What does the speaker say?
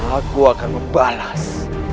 aku akan membalas